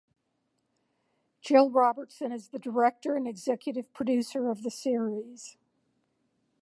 Jill Robertson is the director and executive producer of the series.